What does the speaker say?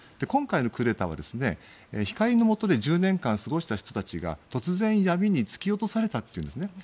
今回のクーデターは光のもとで１０年間過ごした人たちが突然闇に突き落とされたというんですね。